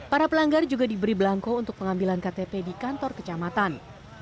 para pelanggar juga diberi belangko untuk pengambilan ktp di kantor kecamatan